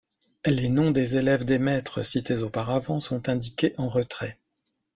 Les noms des élèves des maîtres cités auparavant sont indiqués en retrait.